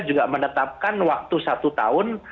juga menetapkan waktu satu tahun